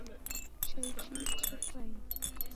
Chai chingi chekwaeni?